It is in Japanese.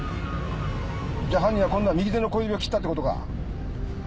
じゃ犯人は今度は右手の小指を切ったってことか？